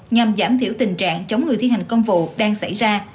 nhằm giảm thiểu tình trạng chống người thi hành công vụ đang xảy ra